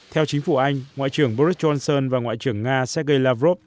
theo chính phủ anh ngoại trưởng boris johnson và ngoại trưởng nga sergei lavrov